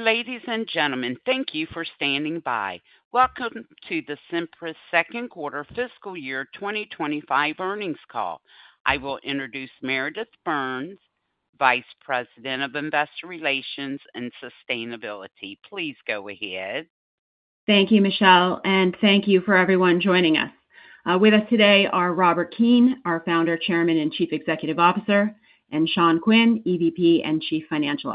Ladies and gentlemen, thank you for standing by. Welcome to the Cimpress Second Quarter Fiscal Year 2025 earnings call. I will introduce Meredith Burns, Vice President of Investor Relations and Sustainability. Please go ahead. Thank you, Michelle, and thank you for everyone joining us. With us today are Robert Keane, our Founder, Chairman, and Chief Executive Officer, and Sean Quinn, EVP and Chief Financial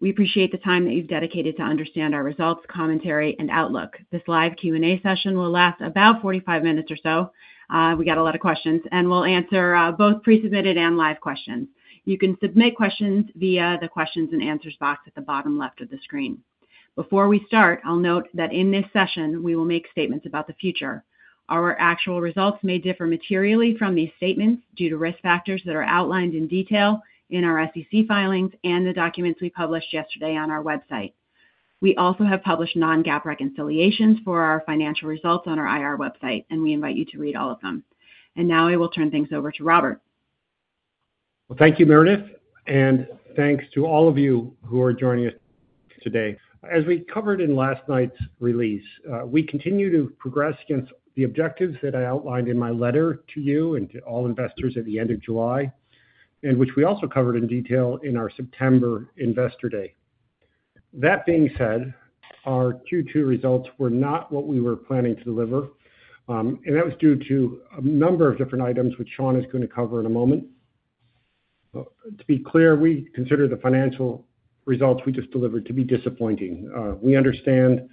Officer. We appreciate the time that you've dedicated to understand our results, commentary, and outlook. This live Q&A session will last about 45 minutes or so. We got a lot of questions, and we'll answer both pre-submitted and live questions. You can submit questions via the questions and answers box at the bottom left of the screen. Before we start, I'll note that in this session, we will make statements about the future. Our actual results may differ materially from these statements due to risk factors that are outlined in detail in our SEC filings and the documents we published yesterday on our website. We also have published non-GAAP reconciliations for our financial results on our IR website, and we invite you to read all of them, and now I will turn things over to Robert. Thank you, Meredith, and thanks to all of you who are joining us today. As we covered in last night's release, we continue to progress against the objectives that I outlined in my letter to you and to all investors at the end of July, and which we also covered in detail in our September Investor Day. That being said, our Q2 results were not what we were planning to deliver, and that was due to a number of different items, which Sean is going to cover in a moment. To be clear, we consider the financial results we just delivered to be disappointing. We understand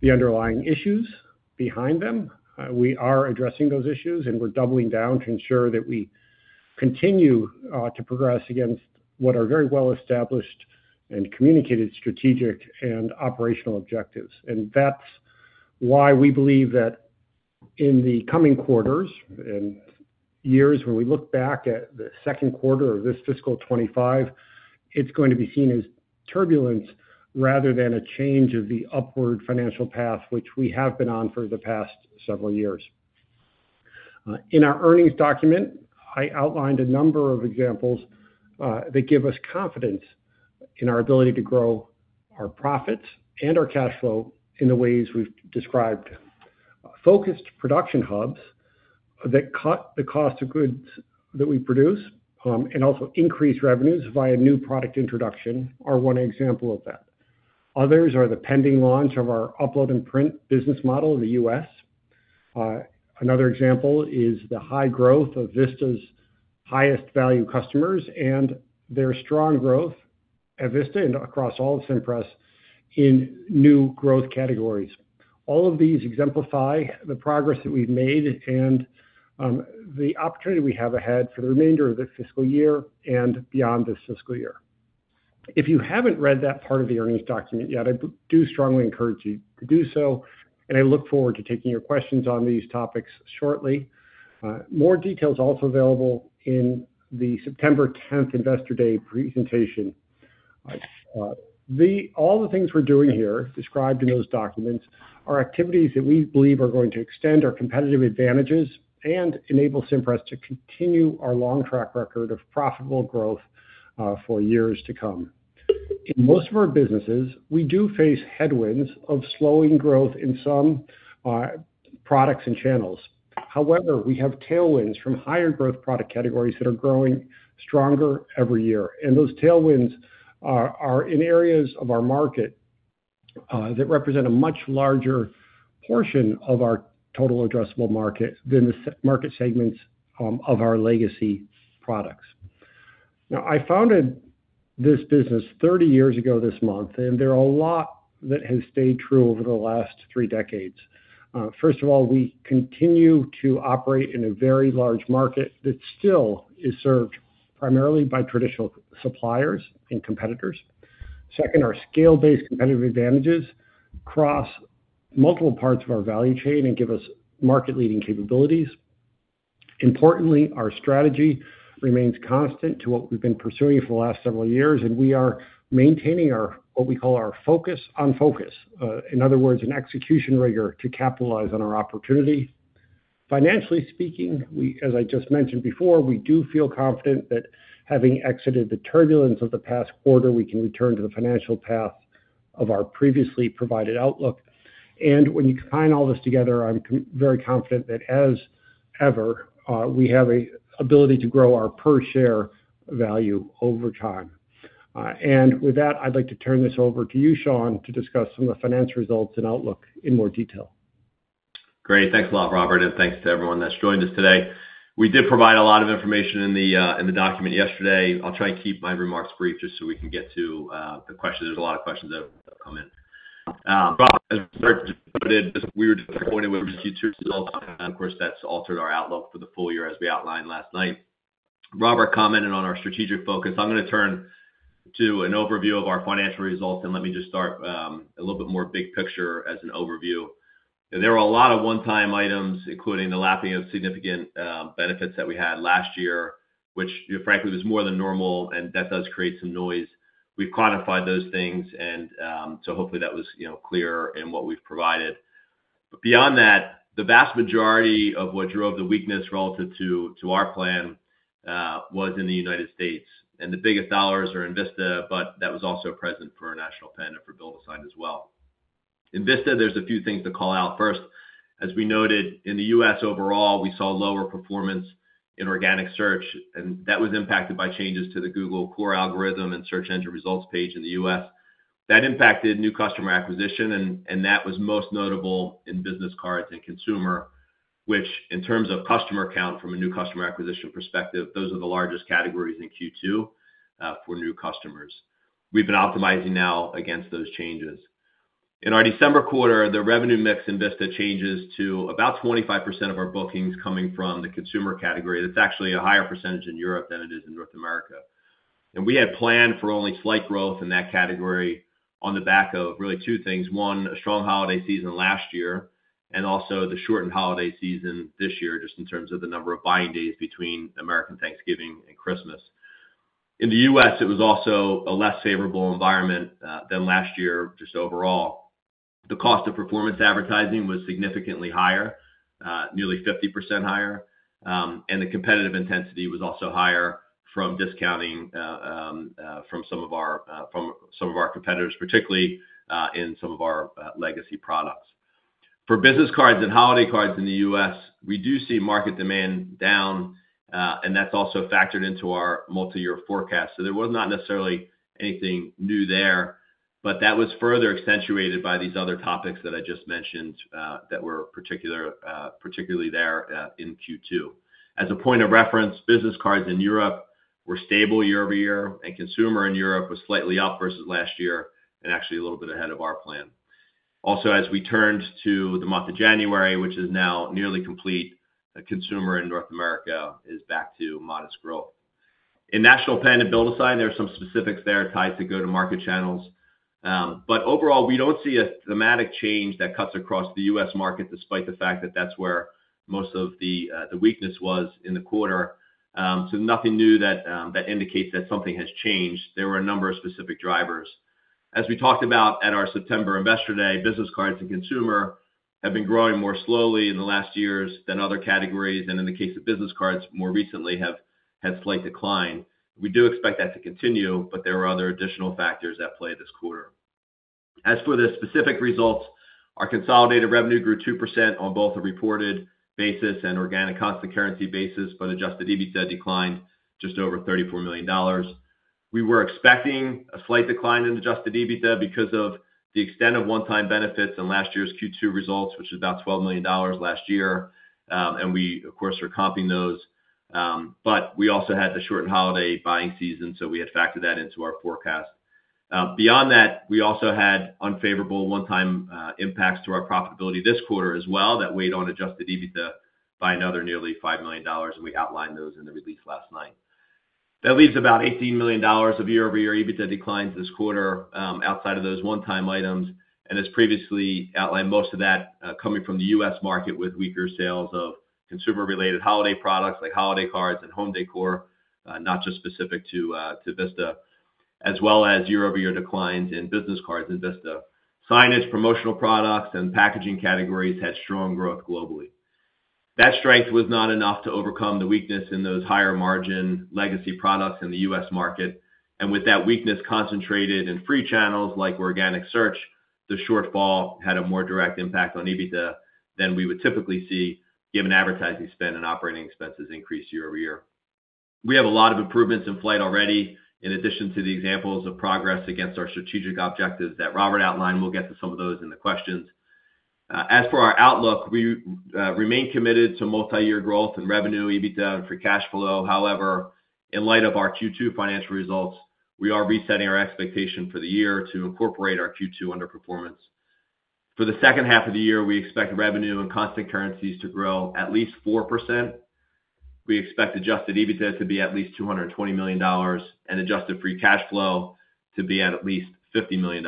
the underlying issues behind them. We are addressing those issues, and we're doubling down to ensure that we continue to progress against what are very well-established and communicated strategic and operational objectives. That's why we believe that in the coming quarters and years, when we look back at the second quarter of this fiscal 2025, it's going to be seen as turbulence rather than a change of the upward financial path, which we have been on for the past several years. In our earnings document, I outlined a number of examples that give us confidence in our ability to grow our profits and our cash flow in the ways we've described. Focused production hubs that cut the cost of goods that we produce and also increase revenues via new product introduction are one example of that. Others are the pending launch of our Upload & Print business model in the U.S. Another example is the high growth of Vista's highest value customers and their strong growth at Vista and across all of Cimpress in new growth categories. All of these exemplify the progress that we've made and the opportunity we have ahead for the remainder of the fiscal year and beyond this fiscal year. If you haven't read that part of the earnings document yet, I do strongly encourage you to do so, and I look forward to taking your questions on these topics shortly. More details are also available in the September 10th Investor Day presentation. All the things we're doing here described in those documents are activities that we believe are going to extend our competitive advantages and enable Cimpress to continue our long track record of profitable growth for years to come. In most of our businesses, we do face headwinds of slowing growth in some products and channels. However, we have tailwinds from higher growth product categories that are growing stronger every year. And those tailwinds are in areas of our market that represent a much larger portion of our total addressable market than the market segments of our legacy products. Now, I founded this business 30 years ago this month, and there are a lot that have stayed true over the last three decades. First of all, we continue to operate in a very large market that still is served primarily by traditional suppliers and competitors. Second, our scale-based competitive advantages cross multiple parts of our value chain and give us market-leading capabilities. Importantly, our strategy remains constant to what we've been pursuing for the last several years, and we are maintaining what we call our focus on focus. In other words, an execution rigor to capitalize on our opportunity. Financially speaking, as I just mentioned before, we do feel confident that having exited the turbulence of the past quarter, we can return to the financial path of our previously provided outlook. And when you combine all this together, I'm very confident that as ever, we have an ability to grow our per-share value over time. And with that, I'd like to turn this over to you, Sean, to discuss some of the financial results and outlook in more detail. Great. Thanks a lot, Robert, and thanks to everyone that's joined us today. We did provide a lot of information in the document yesterday. I'll try and keep my remarks brief just so we can get to the questions. There's a lot of questions that have come in. As Robert just noted, we were disappointed with the Q2 results, and of course, that's altered our outlook for the full year as we outlined last night. Robert commented on our strategic focus. I'm going to turn to an overview of our financial results, and let me just start a little bit more big picture as an overview. There were a lot of one-time items, including the lapping of significant benefits that we had last year, which, frankly, was more than normal, and that does create some noise. We've quantified those things, and so hopefully that was clear in what we've provided. But beyond that, the vast majority of what drove the weakness relative to our plan was in the United States, and the biggest dollars are in Vista, but that was also present for our National Pen and for BuildASign as well. In Vista, there's a few things to call out. First, as we noted, in the U.S. overall, we saw lower performance in organic search, and that was impacted by changes to the Google core algorithm and search engine results page in the U.S. That impacted new customer acquisition, and that was most notable in business cards and consumer, which in terms of customer count from a new customer acquisition perspective, those are the largest categories in Q2 for new customers. We've been optimizing now against those changes. In our December quarter, the revenue mix in Vista changes to about 25% of our bookings coming from the consumer category. That's actually a higher percentage in Europe than it is in North America, and we had planned for only slight growth in that category on the back of really two things. One, a strong holiday season last year, and also the shortened holiday season this year, just in terms of the number of buying days between American Thanksgiving and Christmas. In the U.S., it was also a less favorable environment than last year just overall. The cost of performance advertising was significantly higher, nearly 50% higher, and the competitive intensity was also higher from discounting from some of our competitors, particularly in some of our legacy products. For business cards and holiday cards in the U.S., we do see market demand down, and that's also factored into our multi-year forecast. So there was not necessarily anything new there, but that was further accentuated by these other topics that I just mentioned that were particularly there in Q2. As a point of reference, business cards in Europe were stable year-over-year, and consumer in Europe was slightly up versus last year and actually a little bit ahead of our plan. Also, as we turned to the month of January, which is now nearly complete, consumer in North America is back to modest growth. In National Pen and BuildASign, there are some specifics there tied to go-to-market channels. But overall, we don't see a thematic change that cuts across the U.S. market, despite the fact that that's where most of the weakness was in the quarter. So nothing new that indicates that something has changed. There were a number of specific drivers. As we talked about at our September Investor Day, business cards and consumer have been growing more slowly in the last years than other categories, and in the case of business cards, more recently have had slight decline. We do expect that to continue, but there are other additional factors at play this quarter. As for the specific results, our consolidated revenue grew 2% on both a reported basis and organic constant currency basis, but adjusted EBITDA declined just over $34 million. We were expecting a slight decline in adjusted EBITDA because of the extent of one-time benefits in last year's Q2 results, which was about $12 million last year, and we, of course, are comping those, but we also had the shortened holiday buying season, so we had factored that into our forecast. Beyond that, we also had unfavorable one-time impacts to our profitability this quarter as well that weighed on adjusted EBITDA by another nearly $5 million, and we outlined those in the release last night. That leaves about $18 million of year-over-year EBITDA declines this quarter outside of those one-time items, and as previously outlined, most of that coming from the U.S. market with weaker sales of consumer-related holiday products like holiday cards and home decor, not just specific to Vista, as well as year-over-year declines in business cards and Vista. Signage, promotional products, and packaging categories had strong growth globally. That strength was not enough to overcome the weakness in those higher-margin legacy products in the U.S. market. With that weakness concentrated in free channels like organic search, the shortfall had a more direct impact on EBITDA than we would typically see given advertising spend and operating expenses increase year-over-year. We have a lot of improvements in flight already, in addition to the examples of progress against our strategic objectives that Robert outlined. We'll get to some of those in the questions. As for our outlook, we remain committed to multi-year growth in revenue, EBITDA, and free cash flow. However, in light of our Q2 financial results, we are resetting our expectation for the year to incorporate our Q2 underperformance. For the second half of the year, we expect revenue, constant currencies, to grow at least 4%. We expect adjusted EBITDA to be at least $220 million and adjusted free cash flow to be at least $50 million.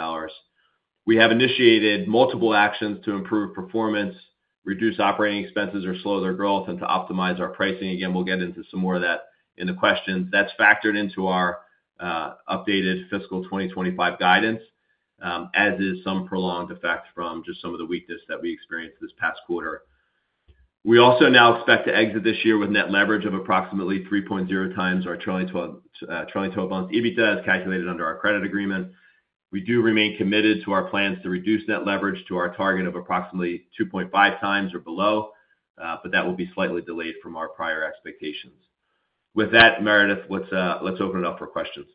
We have initiated multiple actions to improve performance, reduce operating expenses or slow their growth, and to optimize our pricing. Again, we'll get into some more of that in the questions. That's factored into our updated fiscal 2025 guidance, as is some prolonged effect from just some of the weakness that we experienced this past quarter. We also now expect to exit this year with net leverage of approximately 3.0x our trailing 12 months EBITDA is calculated under our credit agreement. We do remain committed to our plans to reduce net leverage to our target of approximately 2.5x or below, but that will be slightly delayed from our prior expectations. With that, Meredith, let's open it up for questions.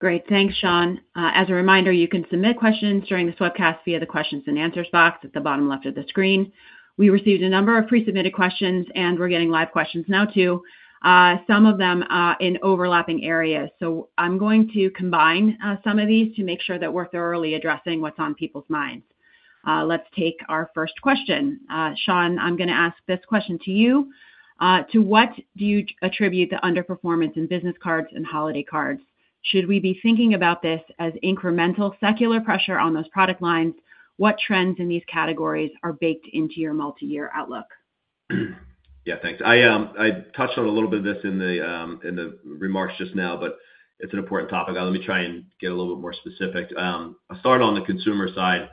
Great. Thanks, Sean. As a reminder, you can submit questions during this webcast via the questions and answers box at the bottom left of the screen. We received a number of pre-submitted questions, and we're getting live questions now too, some of them in overlapping areas. So I'm going to combine some of these to make sure that we're thoroughly addressing what's on people's minds. Let's take our first question. Sean, I'm going to ask this question to you. To what do you attribute the underperformance in business cards and holiday cards? Should we be thinking about this as incremental secular pressure on those product lines? What trends in these categories are baked into your multi-year outlook? Yeah, thanks. I touched on a little bit of this in the remarks just now, but it's an important topic. Let me try and get a little bit more specific. I'll start on the consumer side.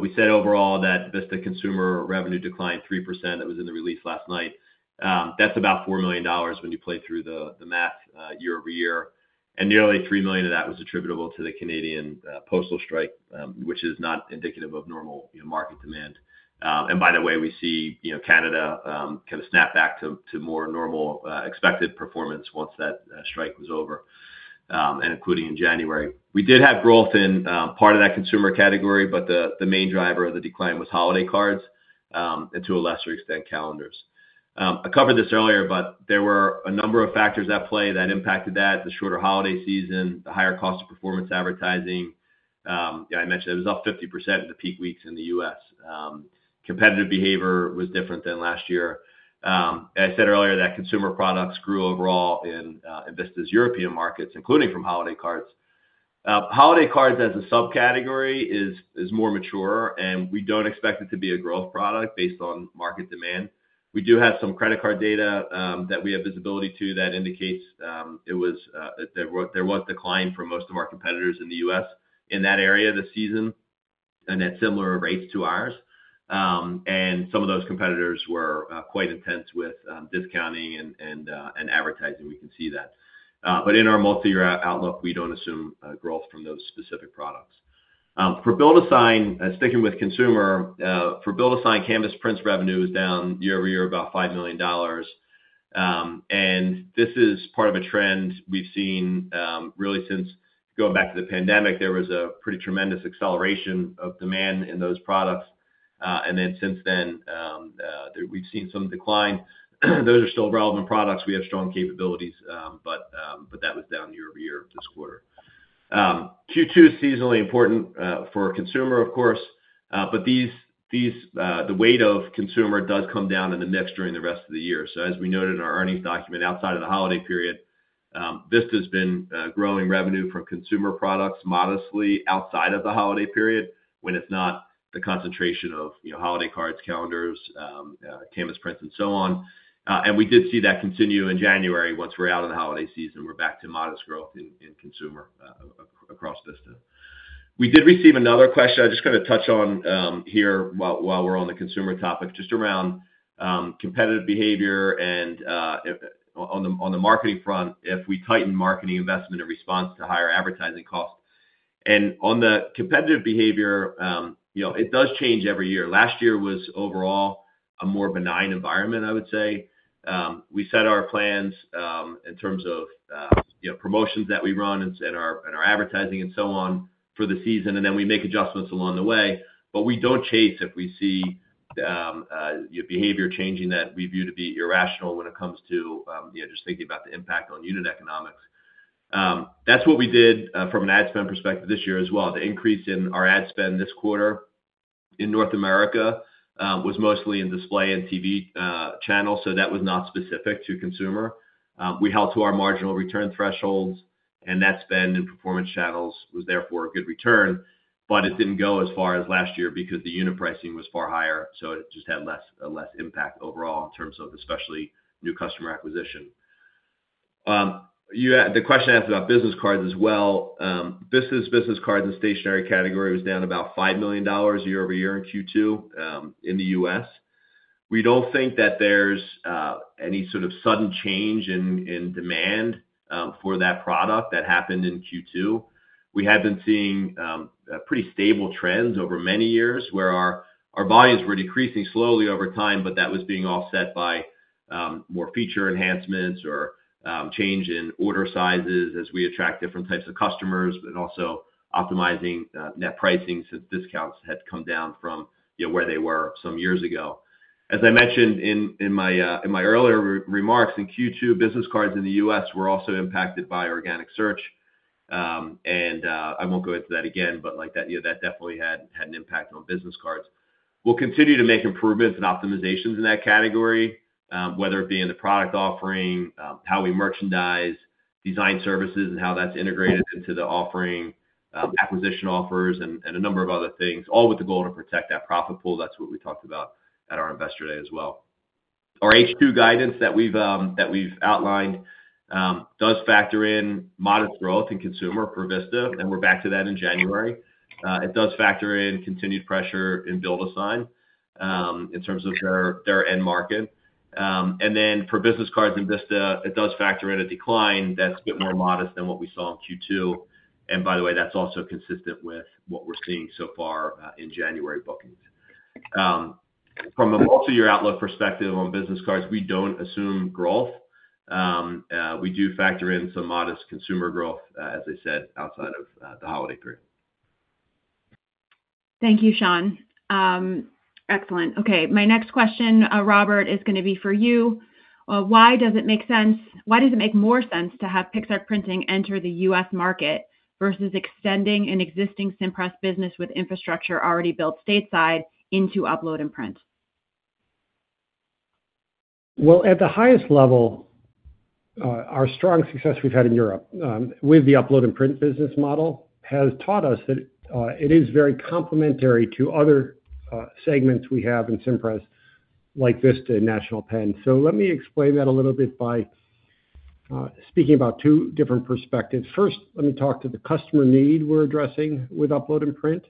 We said overall that Vista consumer revenue declined 3%. That was in the release last night. That's about $4 million when you play through the math year-over-year. And nearly $3 million of that was attributable to the Canadian postal strike, which is not indicative of normal market demand. And by the way, we see Canada kind of snap back to more normal expected performance once that strike was over, including in January. We did have growth in part of that consumer category, but the main driver of the decline was holiday cards and, to a lesser extent, calendars. I covered this earlier, but there were a number of factors at play that impacted that: the shorter holiday season, the higher cost of performance advertising. I mentioned it was up 50% in the peak weeks in the U.S. Competitive behavior was different than last year. I said earlier that consumer products grew overall in Vista's European markets, including from holiday cards. Holiday cards as a subcategory is more mature, and we don't expect it to be a growth product based on market demand. We do have some credit card data that we have visibility to that indicates there was decline for most of our competitors in the U.S. in that area this season and at similar rates to ours, and some of those competitors were quite intense with discounting and advertising. We can see that, but in our multi-year outlook, we don't assume growth from those specific products. For BuildASign, sticking with consumer, for BuildASign, canvas prints revenue is down year-over-year about $5 million, and this is part of a trend we've seen really since going back to the pandemic. There was a pretty tremendous acceleration of demand in those products, and then since then, we've seen some decline. Those are still relevant products. We have strong capabilities, but that was down year-over-year this quarter. Q2 is seasonally important for consumer, of course, but the weight of consumer does come down in the mix during the rest of the year, so as we noted in our earnings document outside of the holiday period, Vista has been growing revenue from consumer products modestly outside of the holiday period when it's not the concentration of holiday cards, calendars, canvas prints, and so on. And we did see that continue in January once we're out of the holiday season. We're back to modest growth in consumer across Vista. We did receive another question. I just kind of touch on here while we're on the consumer topic, just around competitive behavior and on the marketing front, if we tighten marketing investment in response to higher advertising costs. And on the competitive behavior, it does change every year. Last year was overall a more benign environment, I would say. We set our plans in terms of promotions that we run and our advertising and so on for the season, and then we make adjustments along the way. But we don't chase if we see behavior changing that we view to be irrational when it comes to just thinking about the impact on unit economics. That's what we did from an ad spend perspective this year as well. The increase in our ad spend this quarter in North America was mostly in display and TV channels, so that was not specific to consumer. We held to our marginal return thresholds, and that spend in performance channels was therefore a good return. But it didn't go as far as last year because the unit pricing was far higher, so it just had less impact overall in terms of especially new customer acquisition. The question asked about business cards as well. Vista's business cards in stationery category was down about $5 million year-over-year in Q2 in the U.S. We don't think that there's any sort of sudden change in demand for that product that happened in Q2. We have been seeing pretty stable trends over many years where our volumes were decreasing slowly over time, but that was being offset by more feature enhancements or change in order sizes as we attract different types of customers, but also optimizing net pricing since discounts had come down from where they were some years ago. As I mentioned in my earlier remarks in Q2, business cards in the U.S. were also impacted by organic search, and I won't go into that again, but that definitely had an impact on business cards. We'll continue to make improvements and optimizations in that category, whether it be in the product offering, how we merchandise, design services, and how that's integrated into the offering, acquisition offers, and a number of other things, all with the goal to protect that profit pool. That's what we talked about at our Investor Day as well. Our H2 guidance that we've outlined does factor in modest growth in consumer for Vista, and we're back to that in January. It does factor in continued pressure in BuildASign in terms of their end market. And then for business cards in Vista, it does factor in a decline that's a bit more modest than what we saw in Q2. And by the way, that's also consistent with what we're seeing so far in January bookings. From a multi-year outlook perspective on business cards, we don't assume growth. We do factor in some modest consumer growth, as I said, outside of the holiday period. Thank you, Sean. Excellent. Okay. My next question, Robert, is going to be for you. Why does it make sense? Why does it make more sense to have Pixartprinting enter the U.S. market versus extending an existing Cimpress business with infrastructure already built stateside into Upload & Print? At the highest level, our strong success we've had in Europe with the Upload & Print business model has taught us that it is very complementary to other segments we have in Cimpress like Vista and National Pen. So let me explain that a little bit by speaking about two different perspectives. First, let me talk to the customer need we're addressing with Upload & Print,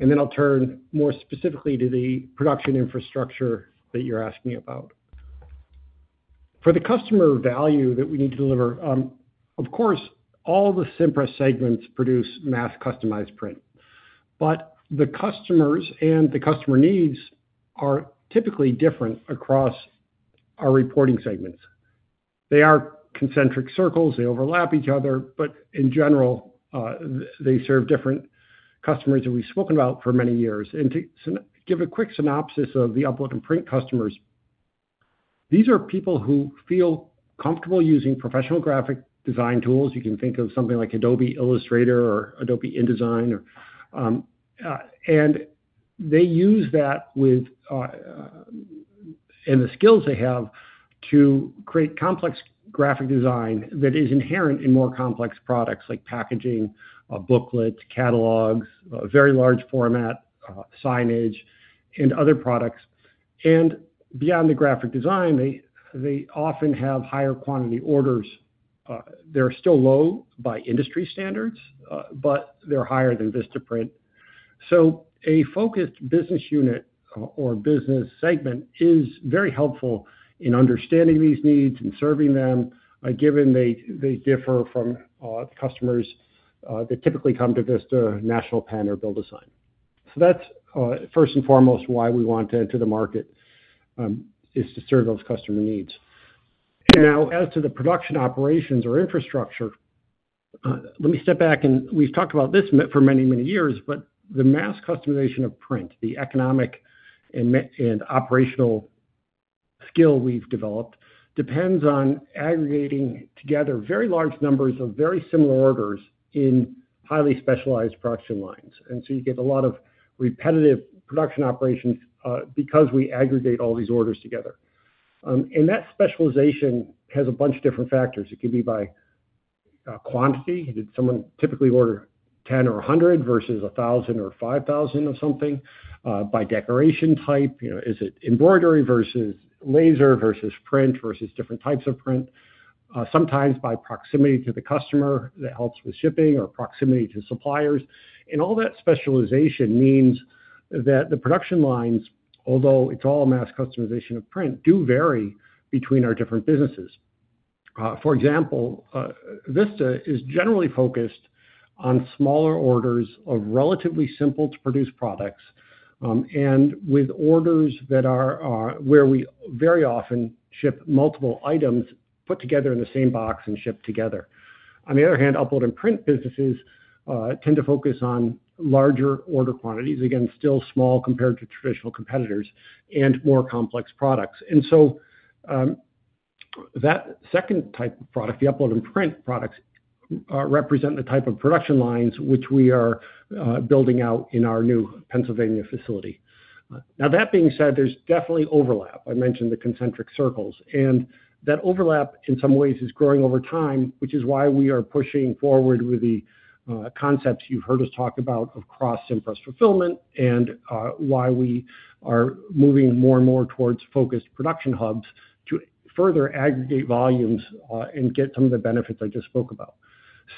and then I'll turn more specifically to the production infrastructure that you're asking about. For the customer value that we need to deliver, of course, all the Cimpress segments produce mass customized print, but the customers and the customer needs are typically different across our reporting segments. They are concentric circles. They overlap each other, but in general, they serve different customers that we've spoken about for many years. To give a quick synopsis of the Upload & Print customers, these are people who feel comfortable using professional graphic design tools. You can think of something like Adobe Illustrator or Adobe InDesign. They use that and the skills they have to create complex graphic design that is inherent in more complex products like packaging, booklets, catalogs, very large format, signage, and other products. Beyond the graphic design, they often have higher quantity orders. They're still low by industry standards, but they're higher than Vista. A focused business unit or business segment is very helpful in understanding these needs and serving them, given they differ from customers that typically come to Vista, National Pen, or BuildASign. That's first and foremost why we want to enter the market, is to serve those customer needs. Now, as to the production operations or infrastructure, let me step back. We've talked about this for many, many years, but the mass customization of print, the economic and operational skill we've developed depends on aggregating together very large numbers of very similar orders in highly specialized production lines. So you get a lot of repetitive production operations because we aggregate all these orders together. That specialization has a bunch of different factors. It could be by quantity. Did someone typically order 10 or 100 versus 1,000 or 5,000 of something? By decoration type, is it embroidery versus laser versus print versus different types of print? Sometimes by proximity to the customer that helps with shipping or proximity to suppliers. All that specialization means that the production lines, although it's all mass customization of print, do vary between our different businesses. For example, Vista is generally focused on smaller orders of relatively simple-to-produce products and with orders that are where we very often ship multiple items put together in the same box and ship together. On the other hand, Upload & Print businesses tend to focus on larger order quantities, again, still small compared to traditional competitors and more complex products. And so that second type of product, the Upload & Print products, represent the type of production lines which we are building out in our new Pennsylvania facility. Now, that being said, there's definitely overlap. I mentioned the concentric circles. That overlap in some ways is growing over time, which is why we are pushing forward with the concepts you've heard us talk about of cross-Cimpress fulfillment and why we are moving more and more towards focused production hubs to further aggregate volumes and get some of the benefits I just spoke about.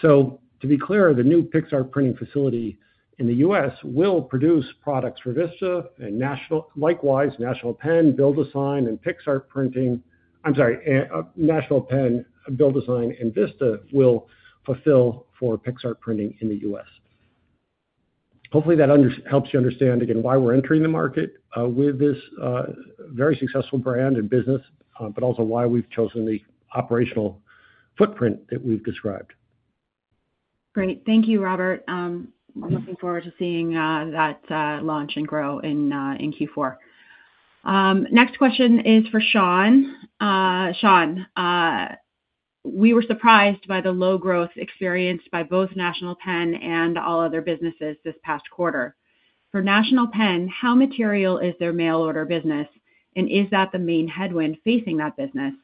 So to be clear, the new Pixartprinting facility in the U.S. will produce products for Vista and likewise National Pen, BuildASign, and Pixartprinting. I'm sorry, National Pen, BuildASign, and Vista will fulfill for Pixartprinting in the U.S. Hopefully, that helps you understand, again, why we're entering the market with this very successful brand and business, but also why we've chosen the operational footprint that we've described. Great. Thank you, Robert. I'm looking forward to seeing that launch and grow in Q4. Next question is for Sean. Sean, we were surprised by the low growth experienced by both National Pen and all other businesses this past quarter. For National Pen, how material is their mail order business, and is that the main headwind facing that business?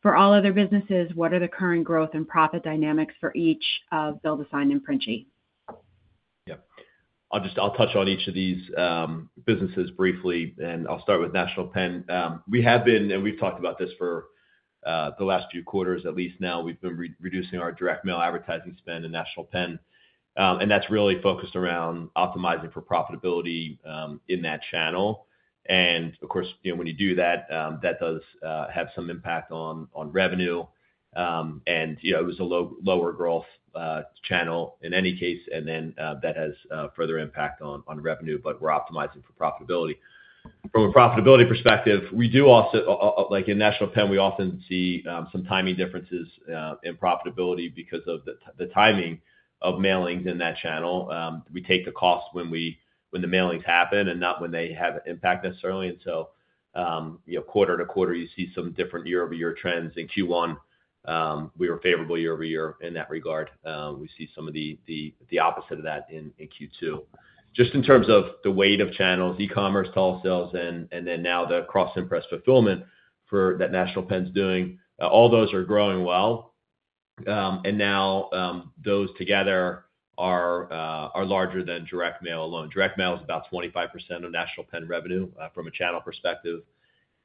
For all other businesses, what are the current growth and profit dynamics for each of BuildASign and Printi? Yeah. I'll touch on each of these businesses briefly, and I'll start with National Pen. We have been, and we've talked about this for the last few quarters, at least now, we've been reducing our direct mail advertising spend in National Pen, and that's really focused around optimizing for profitability in that channel. And of course, when you do that, that does have some impact on revenue, and it was a lower growth channel in any case, and then that has further impact on revenue, but we're optimizing for profitability. From a profitability perspective, we do also, like in National Pen, we often see some timing differences in profitability because of the timing of mailings in that channel. We take the cost when the mailings happen and not when they have impact necessarily, and so quarter to quarter, you see some different year-over-year trends. In Q1, we were favorable year-over-year in that regard. We see some of the opposite of that in Q2. Just in terms of the weight of channels, e-commerce, telesales, and then now the cross-Cimpress fulfillment that National Pen is doing, all those are growing well. And now those together are larger than direct mail alone. Direct mail is about 25% of National Pen revenue from a channel perspective.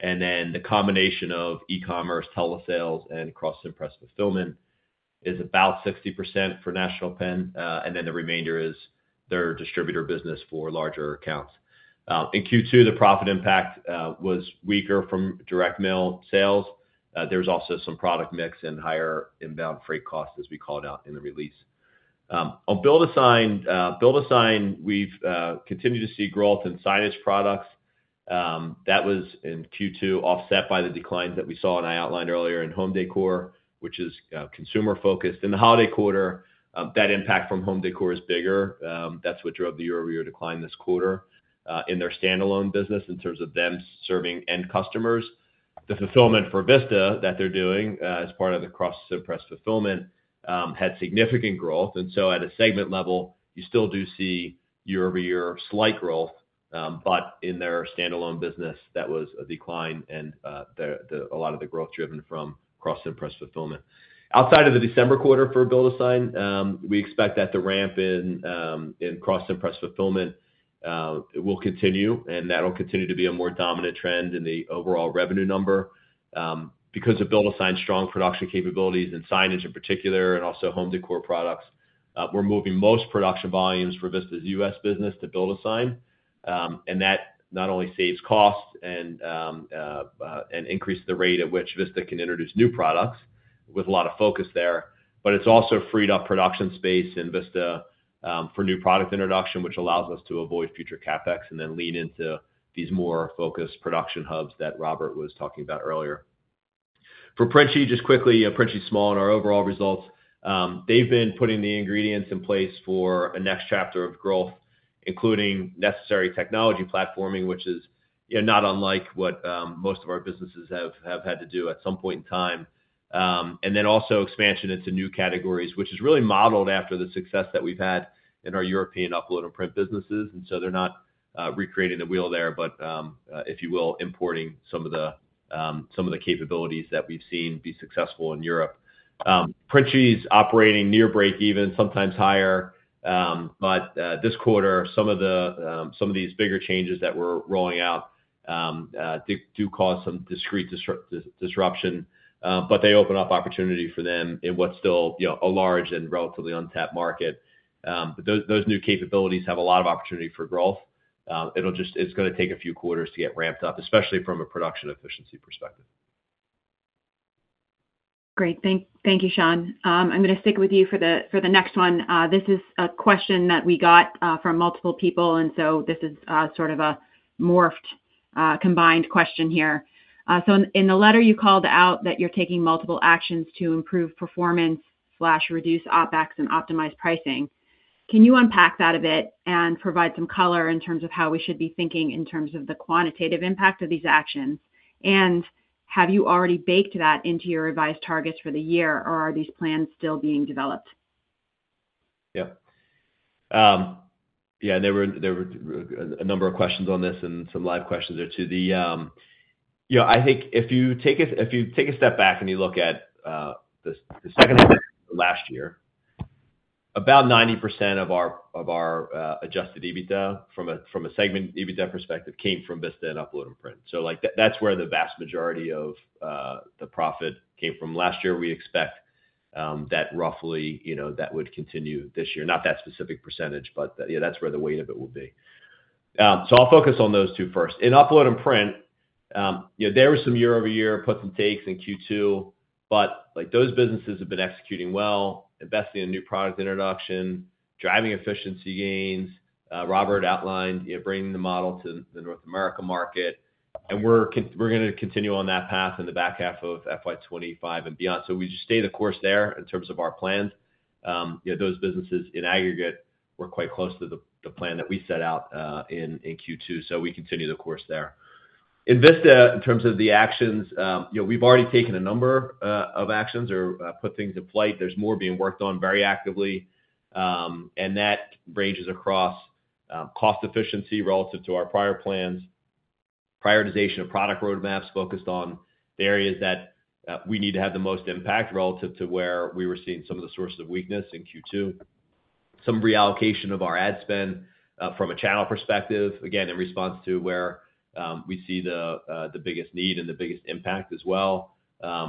And then the combination of e-commerce, telesales, and cross-Cimpress fulfillment is about 60% for National Pen, and then the remainder is their distributor business for larger accounts. In Q2, the profit impact was weaker from direct mail sales. There was also some product mix and higher inbound freight costs, as we called out in the release. On BuildASign, we've continued to see growth in signage products. That was in Q2 offset by the declines that we saw, and I outlined earlier, in home decor, which is consumer-focused. In the holiday quarter, that impact from home decor is bigger. That's what drove the year-over-year decline this quarter in their standalone business in terms of them serving end customers. The fulfillment for Vista that they're doing as part of the cross-Cimpress fulfillment had significant growth. And so at a segment level, you still do see year-over-year slight growth, but in their standalone business, that was a decline, and a lot of the growth driven from cross-Cimpress fulfillment. Outside of the December quarter for BuildASign, we expect that the ramp in cross-Cimpress fulfillment will continue, and that will continue to be a more dominant trend in the overall revenue number. Because of BuildASign's strong production capabilities and signage in particular, and also home decor products, we're moving most production volumes for Vista's U.S. business to BuildASign, and that not only saves costs and increases the rate at which Vista can introduce new products with a lot of focus there, but it's also freed up production space in Vista for new product introduction, which allows us to avoid future CapEx and then lean into these more focused production hubs that Robert was talking about earlier. For Printi, just quickly, Printi's small in our overall results. They've been putting the ingredients in place for a next chapter of growth, including necessary technology platforming, which is not unlike what most of our businesses have had to do at some point in time. And then also expansion into new categories, which is really modeled after the success that we've had in our European Upload & Print businesses. So they're not recreating the wheel there, but, if you will, importing some of the capabilities that we've seen be successful in Europe. Printi's operating near break-even, sometimes higher. But this quarter, some of these bigger changes that we're rolling out do cause some discrete disruption, but they open up opportunity for them in what's still a large and relatively untapped market. Those new capabilities have a lot of opportunity for growth. It's going to take a few quarters to get ramped up, especially from a production efficiency perspective. Great. Thank you, Sean. I'm going to stick with you for the next one. This is a question that we got from multiple people, and so this is sort of a morphed combined question here. So in the letter you called out that you're taking multiple actions to improve performance, reduce OpEx and optimize pricing, can you unpack that a bit and provide some color in terms of how we should be thinking in terms of the quantitative impact of these actions? And have you already baked that into your revised targets for the year, or are these plans still being developed? Yeah. Yeah. There were a number of questions on this and some live questions or two. I think if you take a step back and you look at the second quarter of last year, about 90% of our adjusted EBITDA from a segment EBITDA perspective came from Vista and Upload & Print. So that's where the vast majority of the profit came from. Last year, we expect that roughly that would continue this year. Not that specific percentage, but that's where the weight of it will be. So I'll focus on those two first. In Upload & Print, there was some year-over-year puts and takes in Q2, but those businesses have been executing well, investing in new product introduction, driving efficiency gains. Robert outlined bringing the model to the North America market, and we're going to continue on that path in the back half of FY 2025 and beyond. So we just stay the course there in terms of our plans. Those businesses in aggregate were quite close to the plan that we set out in Q2, so we continue the course there. In Vista, in terms of the actions, we've already taken a number of actions or put things in play. There's more being worked on very actively. And that ranges across cost efficiency relative to our prior plans, prioritization of product roadmaps focused on the areas that we need to have the most impact relative to where we were seeing some of the sources of weakness in Q2, some reallocation of our ad spend from a channel perspective, again, in response to where we see the biggest need and the biggest impact as well,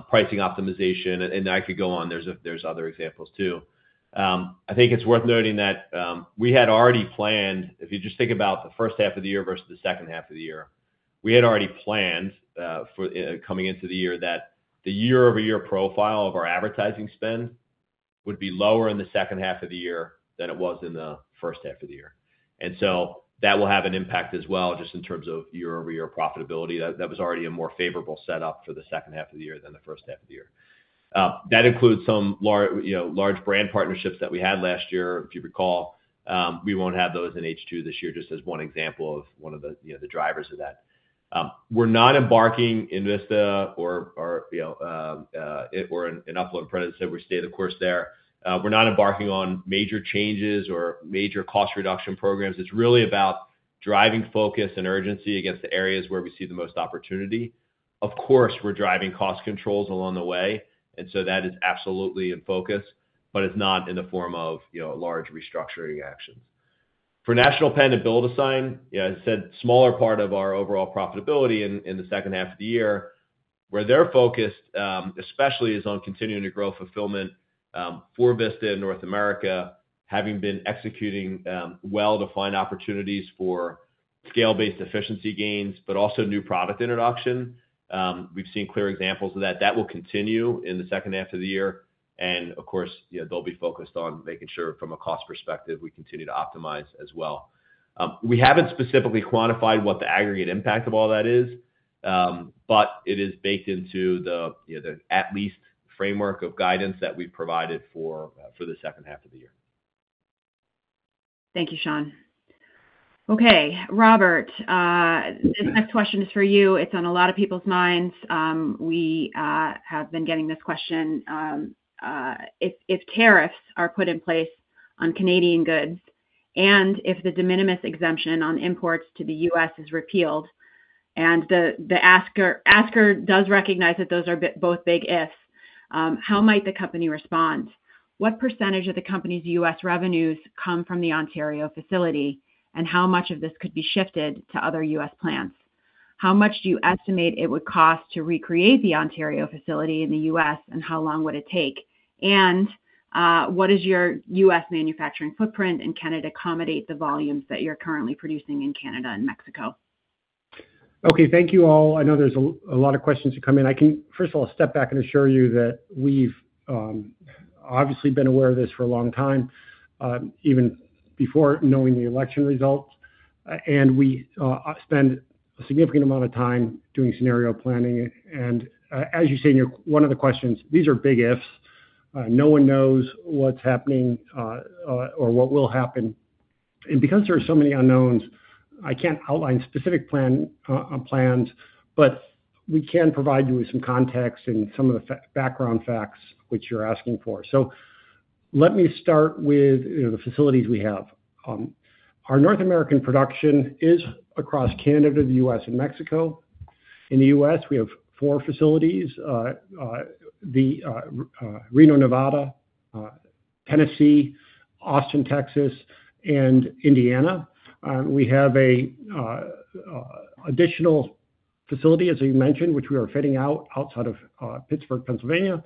pricing optimization. And I could go on. There's other examples too. I think it's worth noting that we had already planned, if you just think about the first half of the year versus the second half of the year, we had already planned coming into the year that the year-over-year profile of our advertising spend would be lower in the second half of the year than it was in the first half of the year, and so that will have an impact as well just in terms of year-over-year profitability. That was already a more favorable setup for the second half of the year than the first half of the year. That includes some large brand partnerships that we had last year. If you recall, we won't have those in H2 this year just as one example of one of the drivers of that. We're not embarking in Vista or in Upload & Print. I said we stay the course there. We're not embarking on major changes or major cost reduction programs. It's really about driving focus and urgency against the areas where we see the most opportunity. Of course, we're driving cost controls along the way, and so that is absolutely in focus, but it's not in the form of large restructuring actions. For National Pen and BuildASign, as I said, smaller part of our overall profitability in the second half of the year, where they're focused especially is on continuing to grow fulfillment for Vista in North America, having been executing well-defined opportunities for scale-based efficiency gains, but also new product introduction. We've seen clear examples of that. That will continue in the second half of the year, and of course, they'll be focused on making sure from a cost perspective we continue to optimize as well. We haven't specifically quantified what the aggregate impact of all that is, but it is baked into the at-least framework of guidance that we've provided for the second half of the year. Thank you, Sean. Okay. Robert, this next question is for you. It's on a lot of people's minds. We have been getting this question. If tariffs are put in place on Canadian goods and if the de minimis exemption on imports to the U.S. is repealed, and the asker does recognize that those are both big ifs, how might the company respond? What percentage of the company's U.S. revenues come from the Ontario facility, and how much of this could be shifted to other U.S. plants? How much do you estimate it would cost to recreate the Ontario facility in the U.S., and how long would it take? And what is your U.S. manufacturing footprint, and can it accommodate the volumes that you're currently producing in Canada and Mexico? Okay. Thank you all. I know there's a lot of questions to come in. I can, first of all, step back and assure you that we've obviously been aware of this for a long time, even before knowing the election results, and we spend a significant amount of time doing scenario planning, and as you say in your one of the questions, these are big ifs. No one knows what's happening or what will happen, and because there are so many unknowns, I can't outline specific plans, but we can provide you with some context and some of the background facts which you're asking for, so let me start with the facilities we have. Our North American production is across Canada, the U.S., and Mexico. In the U.S., we have four facilities: Reno, Nevada, Tennessee, Austin, Texas, and Indiana. We have an additional facility, as you mentioned, which we are fitting out outside of Pittsburgh, Pennsylvania,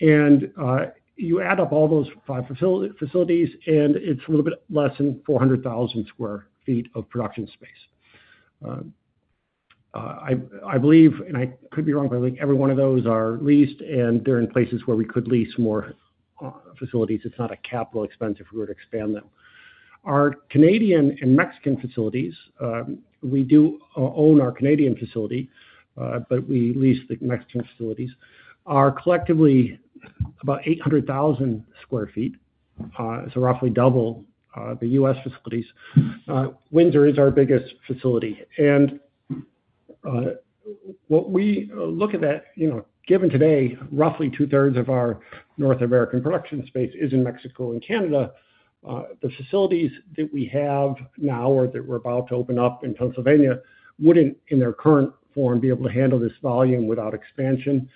and you add up all those five facilities, and it's a little bit less than 400,000 sq ft of production space. I believe, and I could be wrong, but I think every one of those are leased, and they're in places where we could lease more facilities. It's not a capital expense if we were to expand them. Our Canadian and Mexican facilities, we do own our Canadian facility, but we lease the Mexican facilities. Ours collectively about 800,000 sq ft, so roughly double the U.S. facilities. Windsor is our biggest facility, and when we look at that, given today, roughly 2/3 of our North American production space is in Mexico and Canada. The facilities that we have now or that we're about to open up in Pennsylvania wouldn't, in their current form, be able to handle this volume without expansion.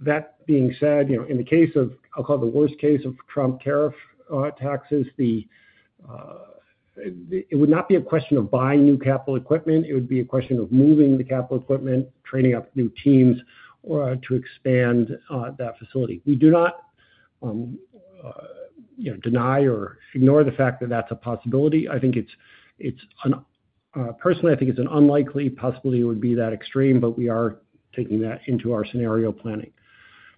That being said, in the case of, I'll call it the worst case of Trump tariff taxes, it would not be a question of buying new capital equipment. It would be a question of moving the capital equipment, training up new teams to expand that facility. We do not deny or ignore the fact that that's a possibility. I think it's, personally, I think it's an unlikely possibility it would be that extreme, but we are taking that into our scenario planning.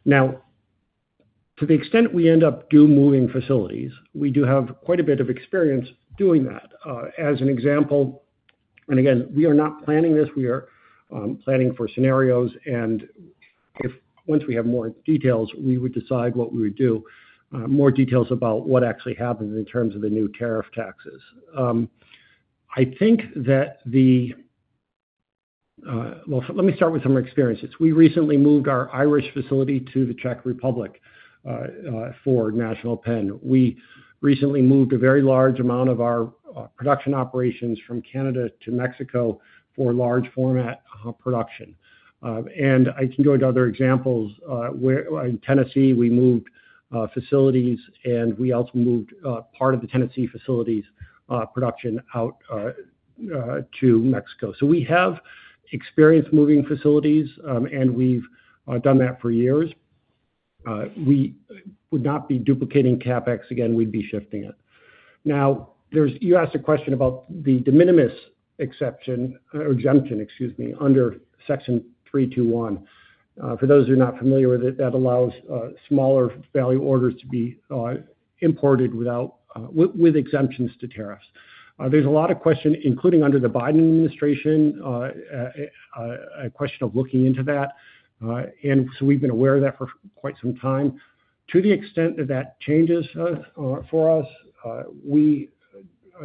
Now, to the extent we end up moving facilities, we do have quite a bit of experience doing that. As an example, and again, we are not planning this. We are planning for scenarios. Once we have more details, we would decide what we would do, more details about what actually happens in terms of the new tariff taxes. I think that. Well, let me start with some experiences. We recently moved our Irish facility to the Czech Republic for National Pen. We recently moved a very large amount of our production operations from Canada to Mexico for large-format production. I can go into other examples. In Tennessee, we moved facilities, and we also moved part of the Tennessee facilities' production out to Mexico. We have experience moving facilities, and we've done that for years. We would not be duplicating CapEx again. We'd be shifting it. Now, you asked a question about the de minimis exemption, excuse me, under Section 321. For those who are not familiar with it, that allows smaller value orders to be imported with exemptions to tariffs. There's a lot of question, including under the Biden administration, a question of looking into that, and so we've been aware of that for quite some time. To the extent that that changes for us, we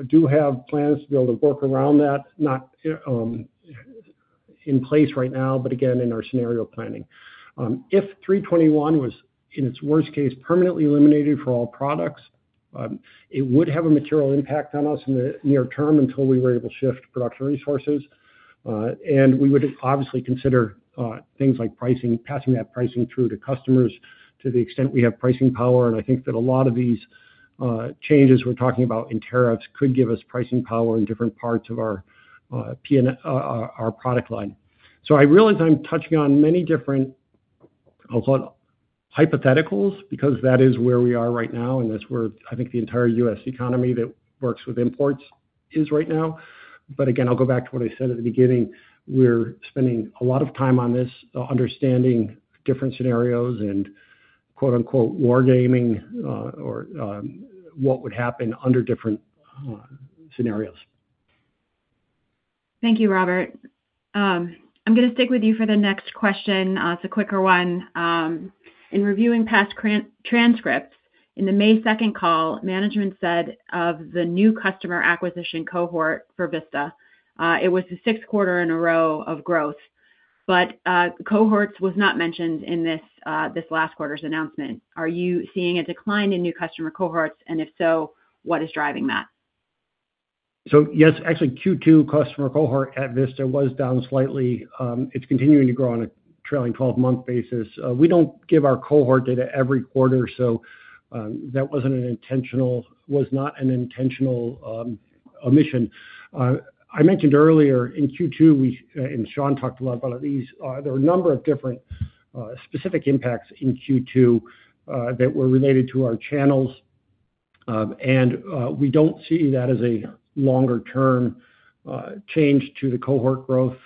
do have plans to be able to work around that, not in place right now, but again, in our scenario planning. If 321 was, in its worst case, permanently eliminated for all products, it would have a material impact on us in the near term until we were able to shift production resources, and we would obviously consider things like passing that pricing through to customers to the extent we have pricing power. And I think that a lot of these changes we're talking about in tariffs could give us pricing power in different parts of our product line. So I realize I'm touching on many different, I'll call it hypotheticals, because that is where we are right now, and that's where I think the entire U.S. economy that works with imports is right now. But again, I'll go back to what I said at the beginning. We're spending a lot of time on this, understanding different scenarios and "war gaming" or what would happen under different scenarios. Thank you, Robert. I'm going to stick with you for the next question. It's a quicker one. In reviewing past transcripts, in the May 2nd call, management said of the new customer acquisition cohort for Vista, it was the sixth quarter in a row of growth. But cohorts was not mentioned in this last quarter's announcement. Are you seeing a decline in new customer cohorts? And if so, what is driving that? So yes, actually, Q2 customer cohort at Vista was down slightly. It's continuing to grow on a trailing 12-month basis. We don't give our cohort data every quarter, so that wasn't an intentional omission. I mentioned earlier in Q2, and Sean talked a lot about these, there were a number of different specific impacts in Q2 that were related to our channels. And we don't see that as a longer-term change to the cohort growth.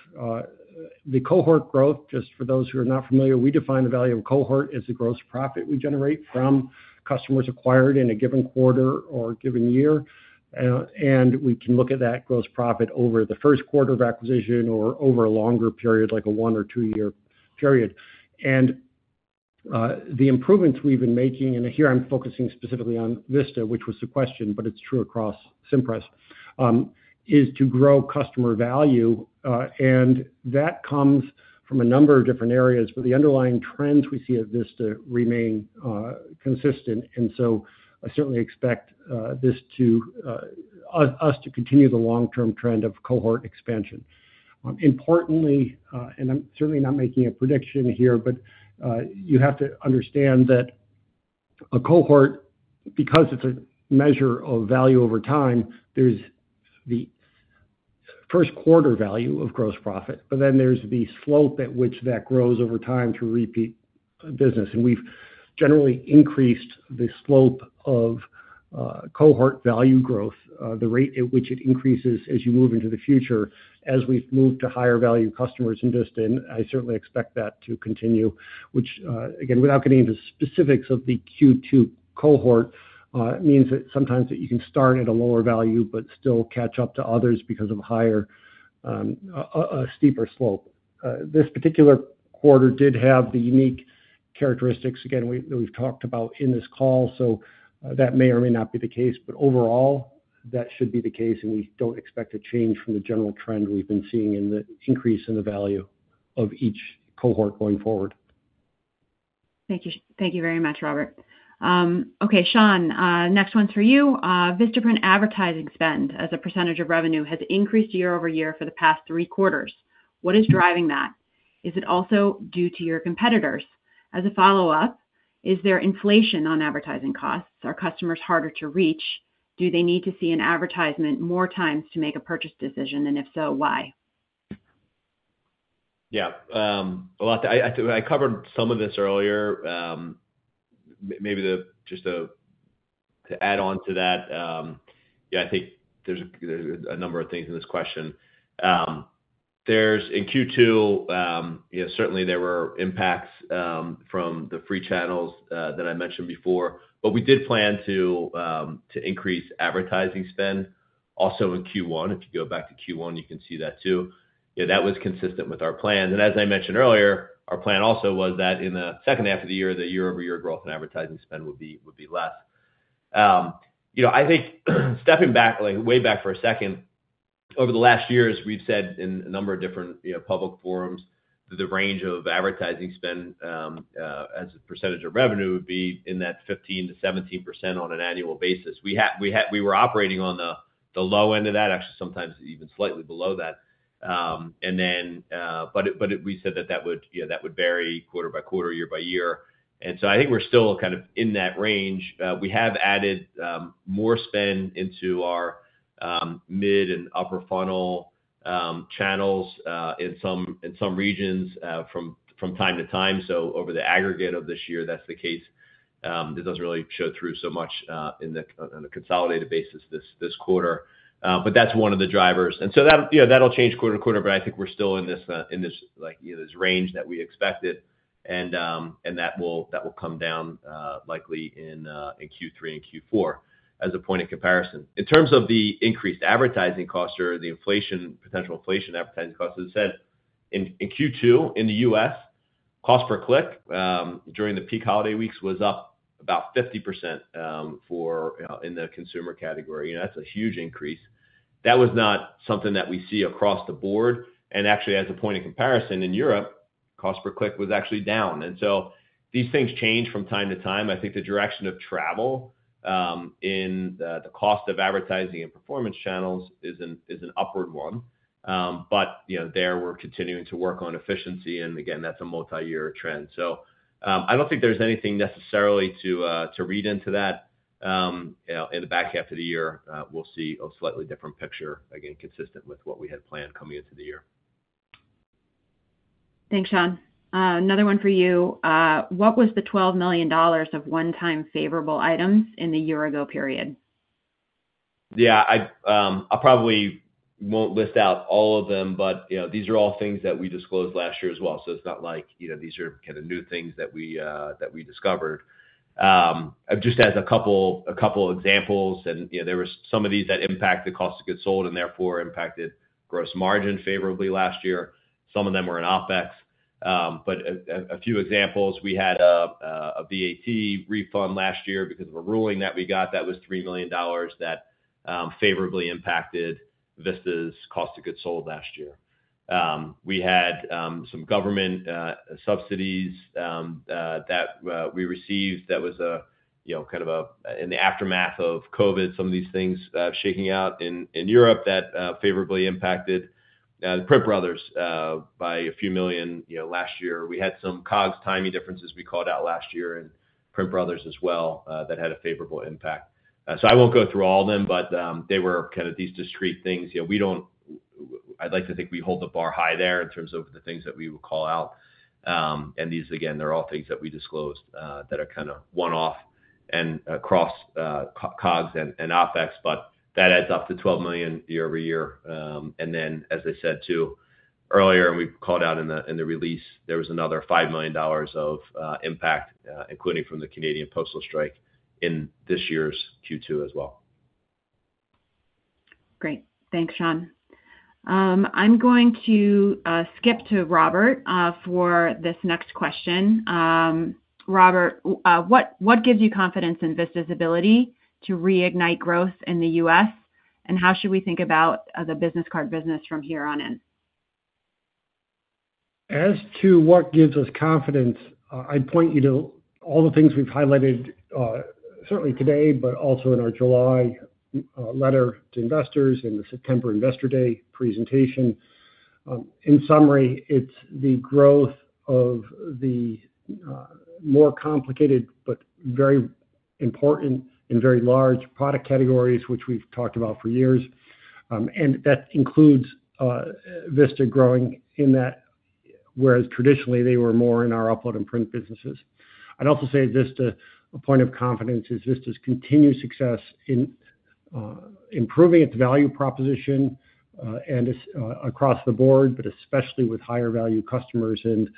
The cohort growth, just for those who are not familiar, we define the value of cohort as the gross profit we generate from customers acquired in a given quarter or a given year. And we can look at that gross profit over the first quarter of acquisition or over a longer period, like a one or two-year period. And the improvements we've been making, and here I'm focusing specifically on Vista, which was the question, but it's true across Cimpress, is to grow customer value. And that comes from a number of different areas, but the underlying trends we see at Vista remain consistent. And so I certainly expect us to continue the long-term trend of cohort expansion. Importantly, and I'm certainly not making a prediction here, but you have to understand that a cohort, because it's a measure of value over time, there's the first quarter value of gross profit, but then there's the slope at which that grows over time through repeat business. And we've generally increased the slope of cohort value growth, the rate at which it increases as you move into the future, as we've moved to higher-value customers in Vista. I certainly expect that to continue, which, again, without getting into specifics of the Q2 cohort, means that sometimes that you can start at a lower value, but still catch up to others because of a steeper slope. This particular quarter did have the unique characteristics, again, that we've talked about in this call. So that may or may not be the case, but overall, that should be the case. We don't expect a change from the general trend we've been seeing in the increase in the value of each cohort going forward. Thank you very much, Robert. Okay, Sean, next one's for you. Vista advertising spend as a percentage of revenue has increased year-over-year for the past three quarters. What is driving that? Is it also due to your competitors? As a follow-up, is there inflation on advertising costs? Are customers harder to reach? Do they need to see an advertisement more times to make a purchase decision? And if so, why? Yeah. I covered some of this earlier. Maybe just to add on to that, yeah, I think there's a number of things in this question. In Q2, certainly there were impacts from the free channels that I mentioned before. But we did plan to increase advertising spend. Also in Q1, if you go back to Q1, you can see that too. That was consistent with our plan. And as I mentioned earlier, our plan also was that in the second half of the year, the year-over-year growth in advertising spend would be less. I think stepping back way back for a second, over the last years, we've said in a number of different public forums that the range of advertising spend as a percentage of revenue would be in that 15%-17% on an annual basis. We were operating on the low end of that, actually sometimes even slightly below that. But we said that that would vary quarter by quarter, year by year. And so I think we're still kind of in that range. We have added more spend into our mid and upper funnel channels in some regions from time to time. So over the aggregate of this year, that's the case. It doesn't really show through so much on a consolidated basis this quarter. But that's one of the drivers. And so that'll change quarter to quarter, but I think we're still in this range that we expected. And that will come down likely in Q3 and Q4 as a point of comparison. In terms of the increased advertising costs or the potential inflation advertising costs, as I said, in Q2 in the U.S., cost per click during the peak holiday weeks was up about 50% in the consumer category. That's a huge increase. That was not something that we see across the board. And actually, as a point of comparison in Europe, cost per click was actually down. And so these things change from time to time. I think the direction of travel in the cost of advertising and performance channels is an upward one. But there, we're continuing to work on efficiency. And again, that's a multi-year trend. So I don't think there's anything necessarily to read into that. In the back half of the year, we'll see a slightly different picture, again, consistent with what we had planned coming into the year. Thanks, Sean. Another one for you. What was the $12 million of one-time favorable items in the year-ago period? Yeah. I probably won't list out all of them, but these are all things that we disclosed last year as well. So it's not like these are kind of new things that we discovered. Just as a couple of examples, and there were some of these that impacted the cost of goods sold and therefore impacted gross margin favorably last year. Some of them were in OpEx. But a few examples, we had a VAT refund last year because of a ruling that we got that was $3 million that favorably impacted Vista's cost of goods sold last year. We had some government subsidies that we received that was kind of in the aftermath of COVID, some of these things shaking out in Europe that favorably impacted PrintBrothers by a few million last year. We had some COGS timing differences we called out last year in PrintBrothers as well that had a favorable impact. So I won't go through all of them, but they were kind of these discrete things. I'd like to think we hold the bar high there in terms of the things that we will call out. And these, again, they're all things that we disclosed that are kind of one-off and across COGS and OpEx, but that adds up to $12 million year-over-year. And then, as I said too earlier, and we called out in the release, there was another $5 million of impact, including from the Canadian postal strike in this year's Q2 as well. Great. Thanks, Sean. I'm going to skip to Robert for this next question. Robert, what gives you confidence in Vista's ability to reignite growth in the U.S., and how should we think about the business card business from here on in? As to what gives us confidence, I'd point you to all the things we've highlighted, certainly today, but also in our July letter to investors and the September Investor Day presentation. In summary, it's the growth of the more complicated but very important and very large product categories, which we've talked about for years. And that includes Vista growing in that, whereas traditionally they were more in our Upload & Print businesses. I'd also say just a point of confidence is Vista's continued success in improving its value proposition across the board, but especially with higher-value customers. And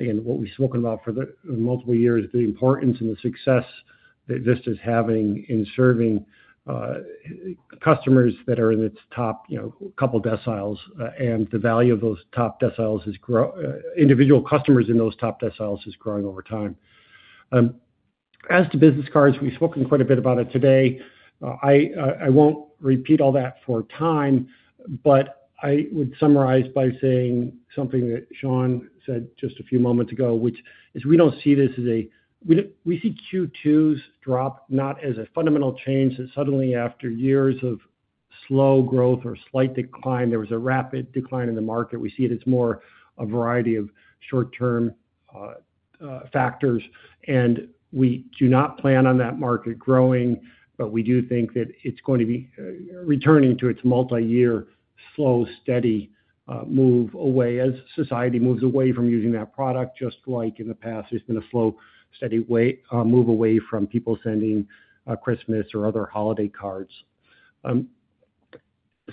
again, what we've spoken about for multiple years, the importance and the success that Vista's having in serving customers that are in its top couple deciles, and the value of those top deciles is individual customers in those top deciles is growing over time. As to business cards, we've spoken quite a bit about it today. I won't repeat all that for time, but I would summarize by saying something that Sean said just a few moments ago, which is, we don't see this as we see Q2's drop, not as a fundamental change that suddenly, after years of slow growth or slight decline, there was a rapid decline in the market. We see it as more a variety of short-term factors. We do not plan on that market growing, but we do think that it's going to be returning to its multi-year slow, steady move away as society moves away from using that product. Just like in the past, there's been a slow, steady move away from people sending Christmas or other holiday cards.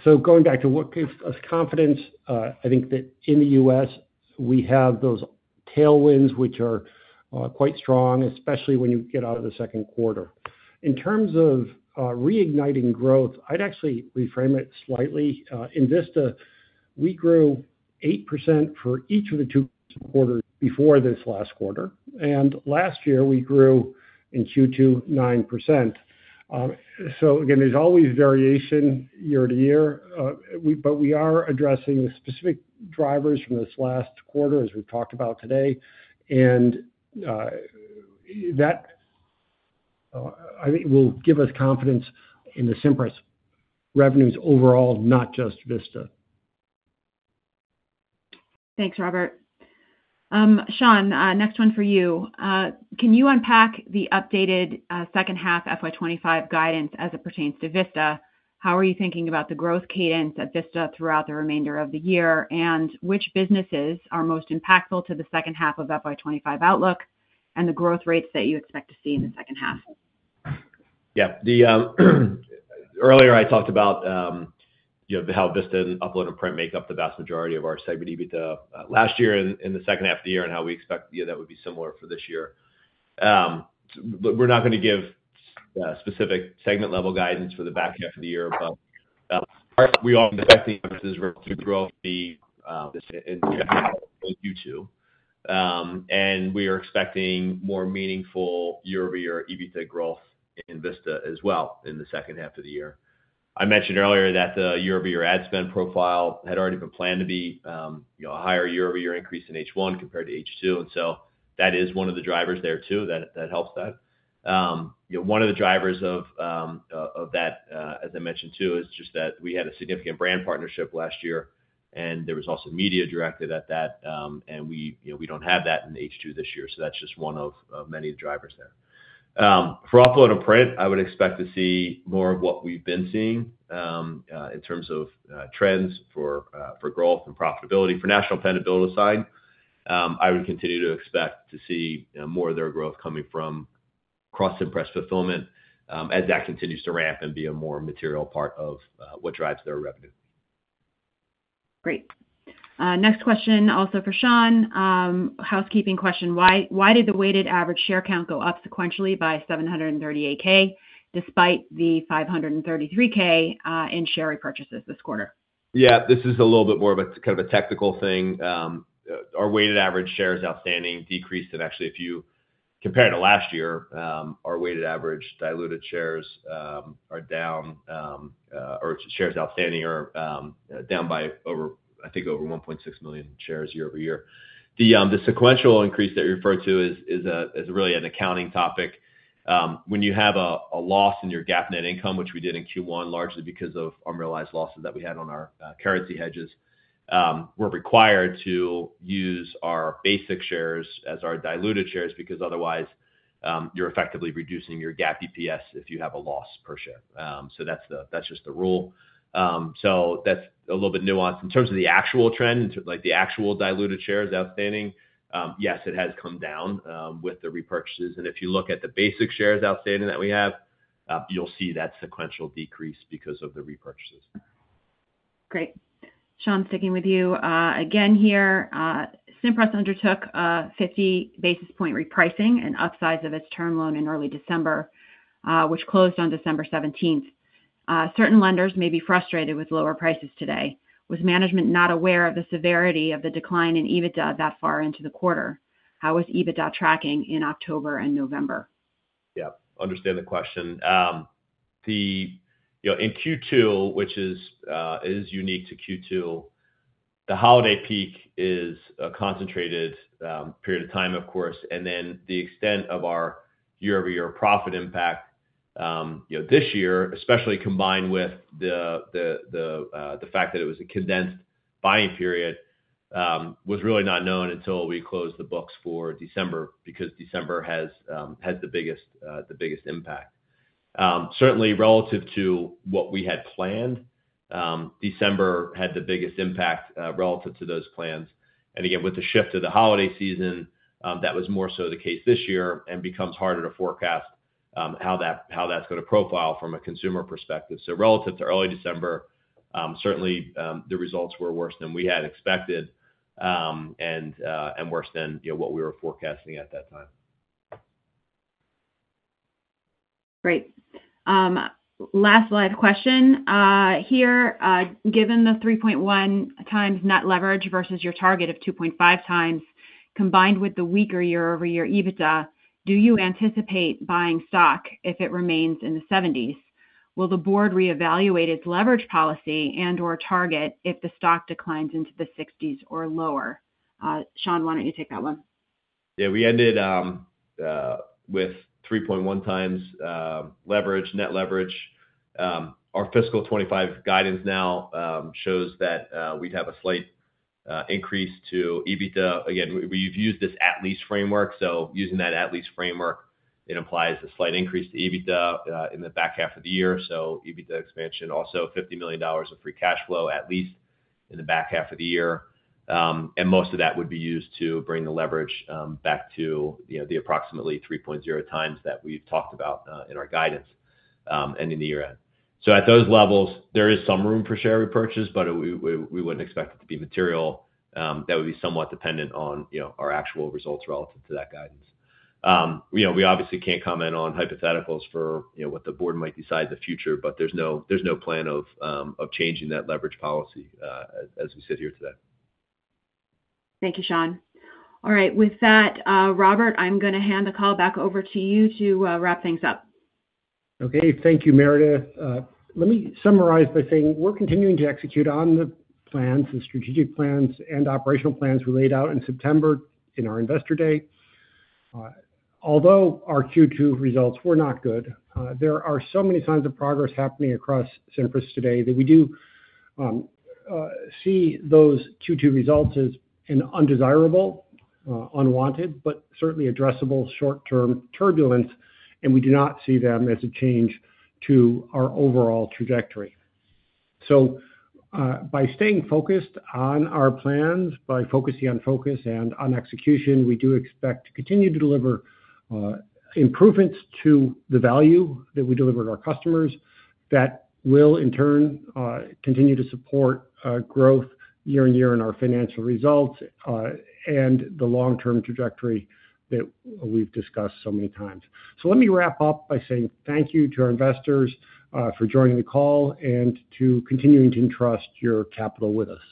So going back to what gives us confidence, I think that in the U.S., we have those tailwinds, which are quite strong, especially when you get out of the second quarter. In terms of reigniting growth, I'd actually reframe it slightly. In Vista, we grew 8% for each of the two quarters before this last quarter. And last year, we grew in Q2 9%. So again, there's always variation year to year, but we are addressing the specific drivers from this last quarter, as we've talked about today. And that, I think, will give us confidence in the Cimpress revenues overall, not just Vista. Thanks, Robert. Sean, next one for you. Can you unpack the updated second half FY 2025 guidance as it pertains to Vista? How are you thinking about the growth cadence at Vista throughout the remainder of the year? And which businesses are most impactful to the second half of FY 2025 outlook and the growth rates that you expect to see in the second half? Yeah. Earlier, I talked about how Vista and Upload & Print make up the vast majority of our segment. Even last year in the second half of the year and how we expect that would be similar for this year. We're not going to give specific segment-level guidance for the back half of the year, but we are expecting businesses to grow in Q2. We are expecting more meaningful year-over-year EBITDA growth in Vista as well in the second half of the year. I mentioned earlier that the year-over-year ad spend profile had already been planned to be a higher year-over-year increase in H1 compared to H2. So that is one of the drivers there too that helps that. One of the drivers of that, as I mentioned too, is just that we had a significant brand partnership last year, and there was also media directed at that. We don't have that in H2 this year. That's just one of many drivers there. For Upload & Print, I would expect to see more of what we've been seeing in terms of trends for growth and profitability for National Pen and BuildASign. I would continue to expect to see more of their growth coming from cross-Cimpress fulfillment as that continues to ramp and be a more material part of what drives their revenue. Great. Next question also for Sean. Housekeeping question. Why did the weighted average share count go up sequentially by 738,000 despite the 533,000 in share repurchases this quarter? Yeah. This is a little bit more of a kind of a technical thing. Our weighted average shares outstanding decreased. And actually, if you compare it to last year, our weighted average diluted shares are down, or shares outstanding are down by, I think, over 1.6 million shares year-over-year. The sequential increase that you referred to is really an accounting topic. When you have a loss in your GAAP net income, which we did in Q1, largely because of unrealized losses that we had on our currency hedges, we're required to use our basic shares as our diluted shares because otherwise, you're effectively reducing your GAAP EPS if you have a loss per share. So that's just the rule. So that's a little bit nuanced. In terms of the actual trend, the actual diluted shares outstanding, yes, it has come down with the repurchases. If you look at the basic shares outstanding that we have, you'll see that sequential decrease because of the repurchases. Great. Sean, sticking with you. Again here, Cimpress undertook a 50 basis point repricing and upsize of its term loan in early December, which closed on December 17th. Certain lenders may be frustrated with lower prices today. Was management not aware of the severity of the decline in EBITDA that far into the quarter? How was EBITDA tracking in October and November? Yeah. Understand the question. In Q2, which is unique to Q2, the holiday peak is a concentrated period of time, of course, and then the extent of our year-over-year profit impact this year, especially combined with the fact that it was a condensed buying period, was really not known until we closed the books for December because December has the biggest impact. Certainly, relative to what we had planned, December had the biggest impact relative to those plans, and again, with the shift to the holiday season, that was more so the case this year and becomes harder to forecast how that's going to profile from a consumer perspective, so relative to early December, certainly, the results were worse than we had expected and worse than what we were forecasting at that time. Great. Last live question here. Given the 3.1x net leverage versus your target of 2.5x combined with the weaker year-over-year EBITDA, do you anticipate buying stock if it remains in the 70s? Will the board reevaluate its leverage policy and/or target if the stock declines into the 60s or lower? Sean, why don't you take that one? Yeah. We ended with 3.1x net leverage. Our fiscal 2025 guidance now shows that we'd have a slight increase to EBITDA. Again, we've used this at least framework. So using that at least framework, it implies a slight increase to EBITDA in the back half of the year. So EBITDA expansion, also $50 million of free cash flow at least in the back half of the year. And most of that would be used to bring the leverage back to the approximately 3.0x that we've talked about in our guidance and in the year-end. So at those levels, there is some room for share repurchase, but we wouldn't expect it to be material. That would be somewhat dependent on our actual results relative to that guidance. We obviously can't comment on hypotheticals for what the board might decide in the future, but there's no plan of changing that leverage policy as we sit here today. Thank you, Sean. All right. With that, Robert, I'm going to hand the call back over to you to wrap things up. Okay. Thank you, Meredith. Let me summarize by saying we're continuing to execute on the plans, the strategic plans, and operational plans we laid out in September in our Investor Day. Although our Q2 results were not good, there are so many signs of progress happening across Cimpress today that we do see those Q2 results as undesirable, unwanted, but certainly addressable short-term turbulence, and we do not see them as a change to our overall trajectory, so by staying focused on our plans, by focusing on focus and on execution, we do expect to continue to deliver improvements to the value that we deliver to our customers that will, in turn, continue to support growth year in year in our financial results and the long-term trajectory that we've discussed so many times. So let me wrap up by saying thank you to our investors for joining the call and to continuing to entrust your capital with us.